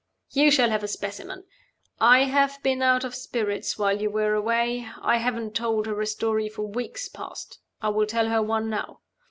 You shall have a specimen. I have been out of spirits while you were away I haven't told her a story for weeks past; I will tell her one now.